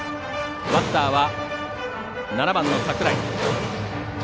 バッターは７番の櫻井。